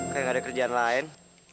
kayak gak ada kerjaan lain